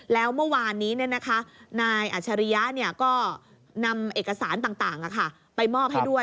แล้วเมื่อวานนี้เนี่ยนะคะนายอาชริยะเนี่ยก็นำเอกสารต่างไปมอบให้ด้วย